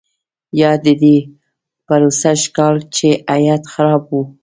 یاد دي دي پروسږ کال چې هیټ خراب وو.